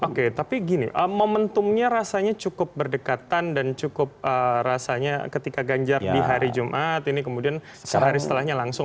oke tapi gini momentumnya rasanya cukup berdekatan dan cukup rasanya ketika ganjar di hari jumat ini kemudian sehari setelahnya langsung